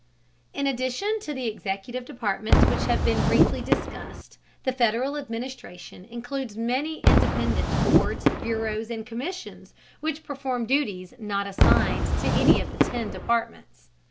In addition to the executive departments which have been briefly discussed, the Federal administration includes many independent boards, bureaus, and commissions which perform duties not assigned to any of the ten departments.